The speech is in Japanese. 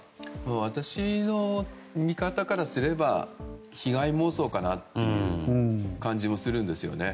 私の見方からすれば被害妄想かなっていう感じもするんですよね。